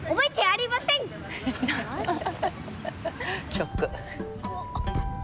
ショック。